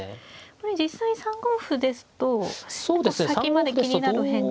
これ実際３五歩ですと結構先まで気になる変化は。